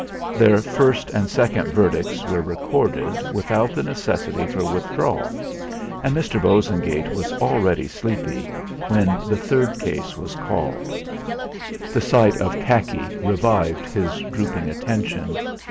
Their first and second verdicts were recorded without the necessity for withdrawal, and Mr. Bosengate was already sleepy when the third case was called. The sight of khaki revived his drooping attention.